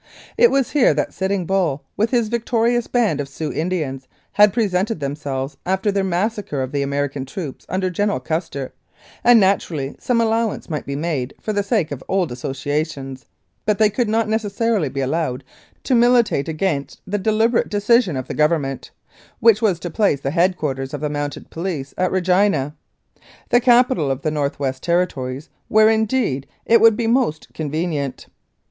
It was here that Sitting Bull, with his victorious band of Sioux Indians, had presented themselves after their massacre of the American troops under General Custer, and naturally some allowance might be made for the sake of old associations; but they could not necessarily be allowed to militate against the deliberate decision of the Government, which was to place the head quarters of the Mounted Police at Regina, the capital of the North West Territories, where, indeed, it would be most convenient.